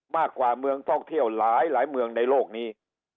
มากกว่าเมืองท่องเที่ยวหลายเมืองในโลกนี้